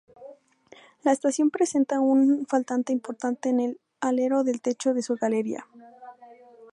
La estación presenta un faltante importante en el alero del techo de su galería.